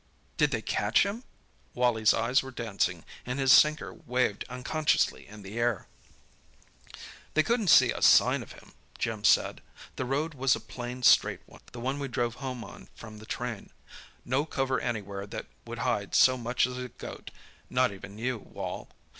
"Did they catch him?" Wally's eyes were dancing, and his sinker waved unconsciously in the air. "They couldn't see a sign of him," Jim said. "The road was a plain, straight one—you chaps know it—the one we drove home on from the train. No cover anywhere that would hide so much as a goat—not even you, Wal!